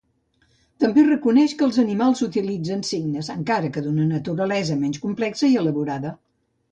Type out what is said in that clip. També reconeix que els animals utilitzen signes, encara que d'una naturalesa menys complexa i elaborada.